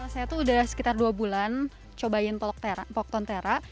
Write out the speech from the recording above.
saya tuh udah sekitar dua bulan cobain poktontera